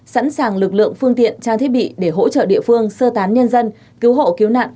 sẵn sàng lực lượng phương tiện trang thiết bị để hỗ trợ địa phương sơ tán nhân dân cứu hộ cứu nạn